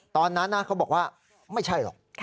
ตอนนั้นเขาบอกว่าไม่ใช่หรอก